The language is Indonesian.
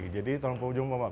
jadi tanpa ujung pemakaian